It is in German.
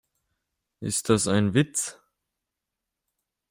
Ist das ein Witz?